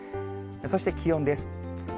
そして気温です。